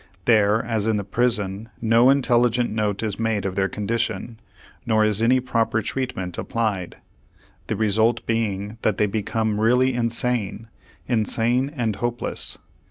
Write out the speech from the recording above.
There, as in the prison, no intelligent note is made of their condition, nor is any proper treatment applied, the result being that they become really insane insane and hopeless.